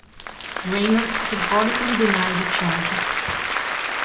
Raynor categorically denied the charges.